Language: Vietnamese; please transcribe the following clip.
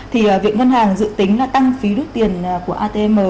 thì việc ngân hàng dự tính là tăng phí rút tiền của atm